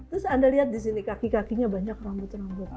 terus anda lihat di sini kaki kakinya banyak rambut rambut